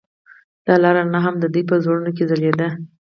د لاره رڼا هم د دوی په زړونو کې ځلېده.